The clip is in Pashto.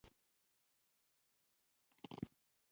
سیندونه د افغانستان د شنو سیمو ښکلا ده.